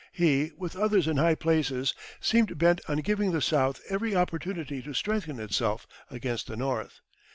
He, with others in high places, seemed bent on giving the South every opportunity to strengthen itself against the North.